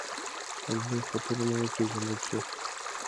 انلاین خطرونه به وپېژندل شي.